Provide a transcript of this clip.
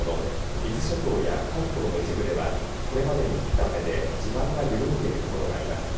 伊豆諸島や関東の一部ではこれまでに降った雨で地盤が緩んでいる所があります。